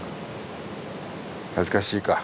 恥ずかしいか？